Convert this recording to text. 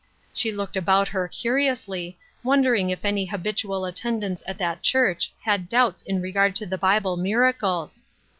She looked about her curiously, wondering if any habitual attendants at that church had doubts in regard to the Bible mira cles